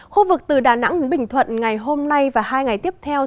khu vực từ đà nẵng đến bình thuận ngày hôm nay và hai ngày tiếp theo